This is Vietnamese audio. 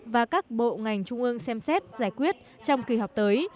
và các bộ ngành trung ương xem xét giải quyết trong kỳ họp tới